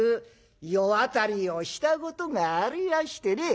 世渡りをしたことがありやしてね」。